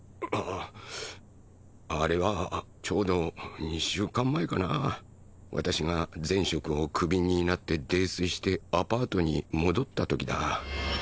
あれはちょうど２週間前かな私が前職をクビになって泥酔してアパートに戻ったときだ